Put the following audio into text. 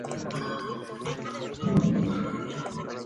Se considera como un componente del síndrome parietal.